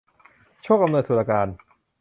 โชคอำนวย สุรการ